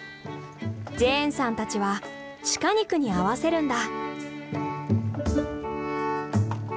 ジェーンさんたちはシカ肉に合わせるんだ。